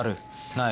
ない？